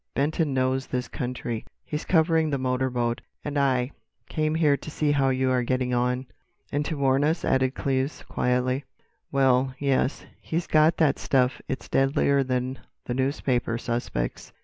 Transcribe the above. Benton knows this country. He's covering the motor boat. And I—came here to see how you are getting on." "And to warn us," added Cleves quietly. "Well—yes. He's got that stuff. It's deadlier than the newspaper suspects.